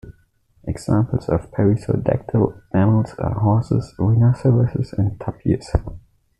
Examples of perissodactyl mammals are horses, rhinoceroses and tapirs.